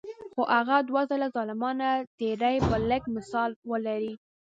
خو هغه دوه ځله ظالمانه تیری به لږ مثال ولري.